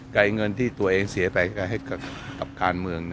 เงินที่ตัวเองเสียไปให้กับการเมือง